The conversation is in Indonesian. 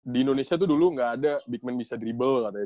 di indonesia tuh dulu nggak ada big man bisa drible katanya